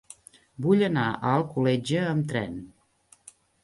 Vull anar a Alcoletge amb tren.